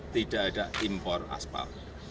tidak ada impor aspal